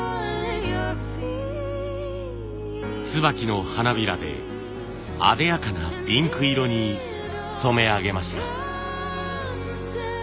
椿の花びらであでやかなピンク色に染め上げました。